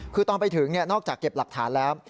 คือตอนไปถึงนอกจากเก็บหลักฐานแล้ว